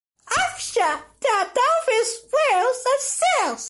Offshore, there are dolphins, whales and seals.